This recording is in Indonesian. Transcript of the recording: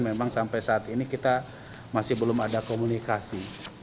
memang sampai saat ini kita masih belum ada komunikasi